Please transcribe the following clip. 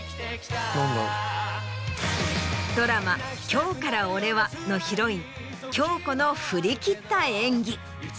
ドラマ『今日から俺は‼』のヒロイン京子の振り切った演技。